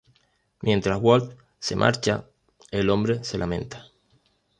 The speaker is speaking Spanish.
Mientras Walt se marcha, el hombre se lamenta.